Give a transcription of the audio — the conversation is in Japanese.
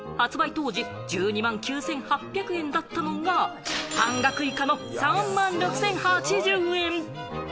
当時１２万９８００円だったのが、半額以下の３万６０８０円。